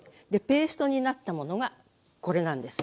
ペーストになったものがこれなんです。